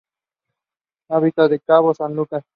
Habita en Cabo San Lucas.